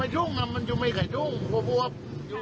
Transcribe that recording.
เอ่อหลังมันอยู่ไม่เคยจุ้มควบ